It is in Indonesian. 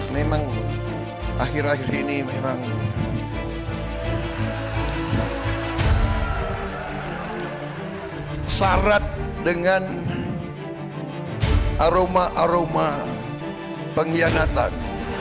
memang akhir akhir ini memang syarat dengan aroma aroma pengkhianatan